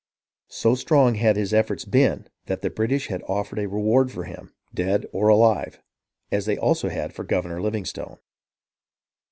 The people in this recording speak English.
So strong had his efforts been that the British had offered a reward for him dead or alive, as they had also for Governor Livingstone.